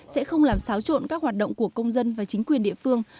sẽ không làm xáo trộn các hoạt động của công dân và chính quyền địa phương